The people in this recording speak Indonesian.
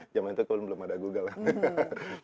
zaman itu belum ada google kan